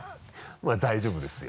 まぁ大丈夫ですよ